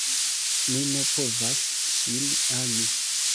Mi ne povas ŝin ami!